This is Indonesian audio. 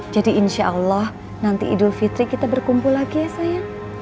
jadi insya allah nanti idul fitri kita berkumpul lagi ya sayang